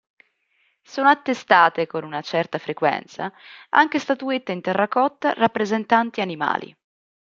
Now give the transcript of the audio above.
Sono attestate con una certa frequenza anche statuette in terracotta rappresentanti animali.